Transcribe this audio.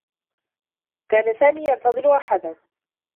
كان سامي ينتظر أحدا.